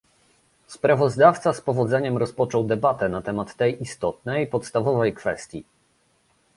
Sprawozdawca z powodzeniem rozpoczął debatę na temat tej istotnej, podstawowej kwestii